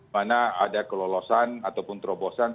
mana ada kelolosan ataupun terobosan